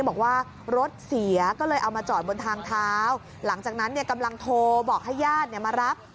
บอกว่ารถเสียก็เลยเอามาจอดบนทางเท้าหลังจากนั้นเนี่ยกำลังโทรบอกให้ญาติมารับ